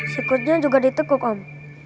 sikutnya juga ditekuk om